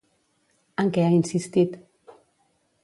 En què ha insistit?